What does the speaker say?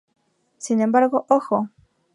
Sin embargo, ¡Ojo!